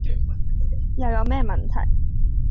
又有咩問題?